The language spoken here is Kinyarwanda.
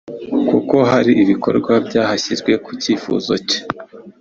kuko hari ibikorwa byahashyizwe ku cyifuzo cye